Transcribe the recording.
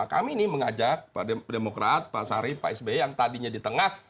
kami ini mengajak pak demokrat pak sarif pak sby yang tadinya di tengah